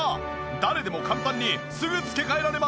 誰でも簡単にすぐ付け替えられます。